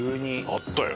あったよ！